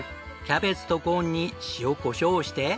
キャベツとコーンに塩コショウをして。